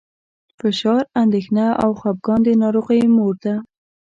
فشار، اندېښنه او خپګان د ناروغیو مور ده.